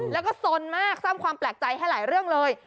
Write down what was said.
แล้วก็สนมากสร้างความแปลกใจให้หลายเรื่องเลย